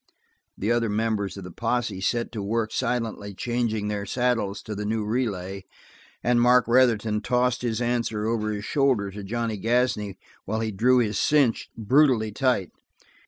The other members of the posse set to work silently changing their saddles to the new relay, and Mark Retherton tossed his answer over his shoulder to Johnny Gasney while he drew his cinch brutally tight.